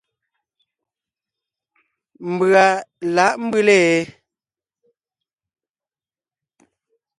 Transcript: Mbʉ̀a lǎʼ mbʉ́le ?